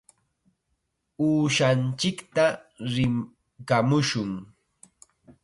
Uushanchikta rikamushun.